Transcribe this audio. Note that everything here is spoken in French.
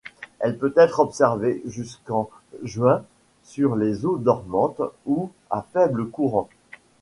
Elle peut être observée jusqu'en juin sur les eaux dormantes ou à faible courant.